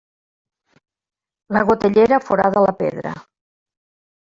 La gotellera forada la pedra.